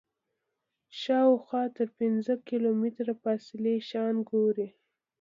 شاوخوا تر پنځه کیلومتره فاصلې شیان ګوري.